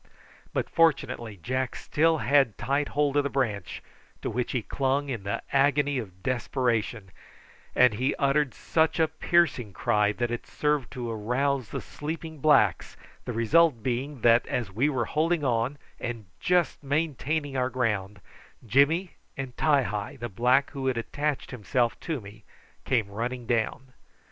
But fortunately Jack still had tight hold of the branch, to which he clung in the agony of desperation, and he uttered such a piercing cry that it served to arouse the sleeping blacks, the result being that, as we were holding on, and just maintaining our ground, Jimmy and Ti hi, the black who had attached himself to me, came running down.